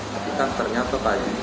tapi kan ternyata tadi